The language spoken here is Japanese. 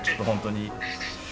本当に。